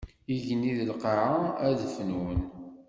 Igenni d lqaɛa ad fnun.